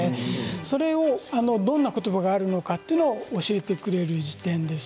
それをどんな言葉があるのかというのを教えてくれる辞典です。